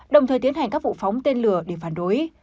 đồng thời tiến hành các vụ phóng tên lửa để phản đối